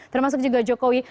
termasuk juga jokowi